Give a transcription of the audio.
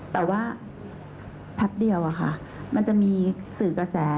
แต่ว่าแป๊บเดียวมันจะมีสื่อกระแส